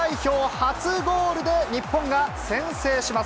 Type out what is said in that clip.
初ゴールで、日本が先制します。